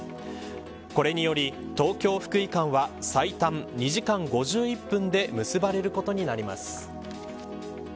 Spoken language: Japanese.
これにより東京、福井間は最短２時間５１分で結ばれることになります。